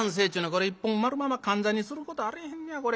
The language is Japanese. これ一本まるまるかんざにすることあれへんのや。